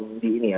belum di ini ya